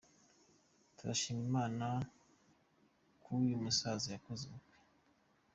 Turashima Imana kuyu musaza yakoze ubukwe